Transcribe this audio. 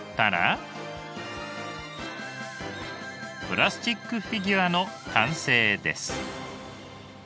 プラスチックフィギュアの完成です。